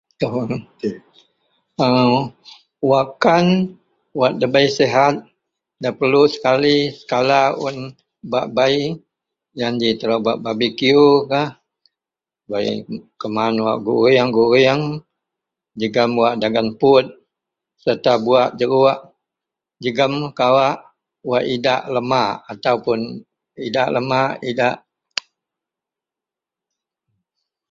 Wak kan wak debai sihat da perlu sekali sekala un ba bei janji telo ba barbeque bei keman wak gureng gureng jegam wak dagen put serta bu wak jeruk jegam kawa wak idak lemak.